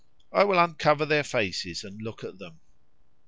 I will uncover their faces and look at them."